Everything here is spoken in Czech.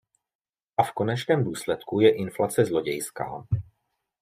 A v konečném důsledku je inflace zlodějská.